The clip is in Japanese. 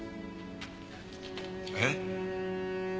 えっ？